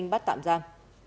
bắt tạm giam